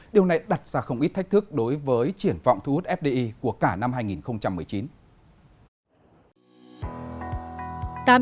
điều này đặt ra không ít thách thức đối với triển vọng thu hút fdi của cả năm hai nghìn một mươi chín